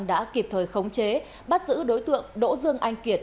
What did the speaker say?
đã kịp thời khống chế bắt giữ đối tượng đỗ dương anh kiệt